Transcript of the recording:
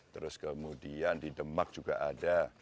terus kemudian di demak juga ada